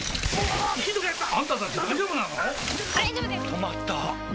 止まったー